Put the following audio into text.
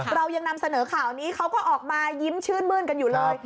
เรายังนำเสนอข่าวนี้เขาก็ออกมายิ้มชื่นมื้นกันอยู่เลย